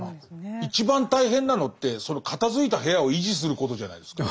一番大変なのってその片づいた部屋を維持することじゃないですか。